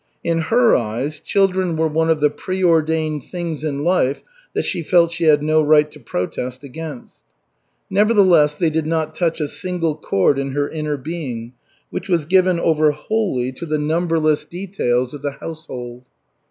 In her eyes, children were one of the preordained things in life that she felt she had no right to protest against. Nevertheless they did not touch a single chord in her inner being, which was given over wholly to the numberless details of the household.